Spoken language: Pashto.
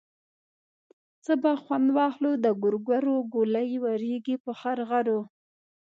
څه به خوند واخلو د ګورګورو ګولۍ ورېږي په هر غرو.